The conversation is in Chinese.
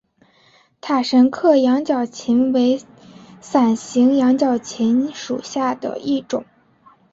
塔什克羊角芹为伞形科羊角芹属下的一个种。